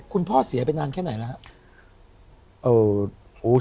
คุณพ่อเสียไปนานแค่ไหนแล้ว